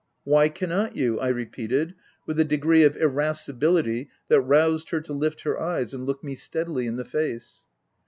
" Why cannot you ?'M repeated with a degree of irascibility that roused her to lift her eyes, and look me steadily in the face.